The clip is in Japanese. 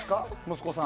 息子さん。